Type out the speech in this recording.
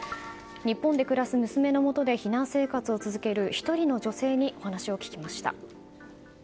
日本で暮らす娘のもとで避難生活を続ける１人の女性にお話を聞きました。